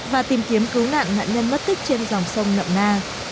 và tìm kiếm cứu nạn nạn nhân mất tích trên dòng sông nậm na